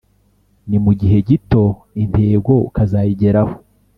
Ni mu gihe gito intego ukazigeraho